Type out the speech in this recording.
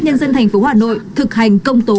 nhân dân tp hà nội thực hành công tố